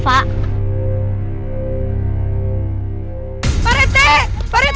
pak rt pak rt